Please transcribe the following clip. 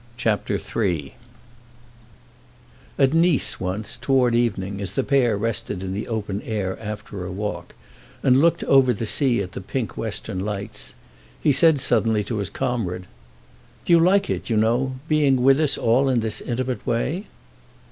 CHAPTER III At Nice once, toward evening, as the pair rested in the open air after a walk, and looked over the sea at the pink western lights, he said suddenly to his comrade: "Do you like it, you know—being with us all in this intimate way?"